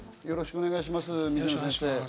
よろしくお願いします。